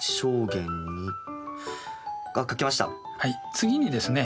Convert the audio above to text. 次にですね